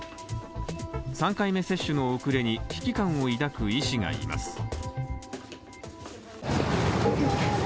３回目接種の遅れに危機感を抱く医師がいます。